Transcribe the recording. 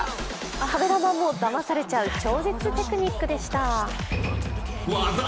カメラマンもだまされちゃう超絶テクニックでした。